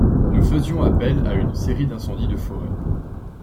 Nous faisions appel à une série d'incendies de forêt.